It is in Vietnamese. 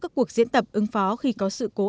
các cuộc diễn tập ứng phó khi có sự cố